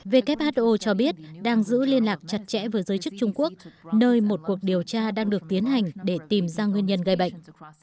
who cho biết đang giữ liên lạc chặt chẽ với giới chức trung quốc nơi một cuộc điều tra đang được tiến hành để tìm ra nguyên nhân gây bệnh